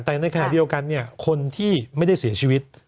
แต่ในขณะเดียวกันคนที่ไม่ได้เสียชีวิต